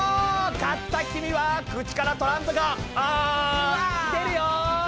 勝った君は口からトランプがああ出るよ！